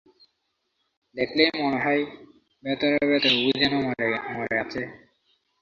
দেখলেই মনে হয় ভেতরে ভেতরে ও যেন মরে আছে।